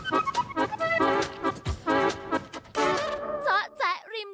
พัดไหม